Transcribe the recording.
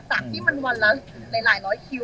จากที่มันวันละหลายคิ้ว